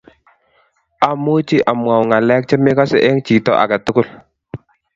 Amuchi amwoun ngaleek chemekosee eng chito ake tukul